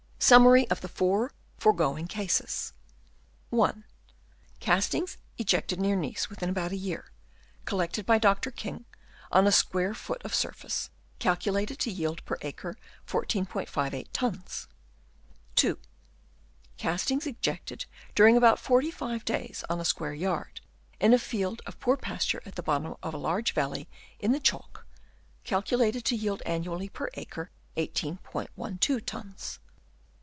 Summary of the four foregoing Cases. (I.) Castings ejected near Nice within about a year, collected by Dr. King on a square foot of surface, calculated to yield per acre 14*58 tons. (2.) Castings ejected during about 45 days on a square yard, in a field of poor pasture at the bottom of a large valley in the Chalk, calculated to yield annually per acre 18*12 tons.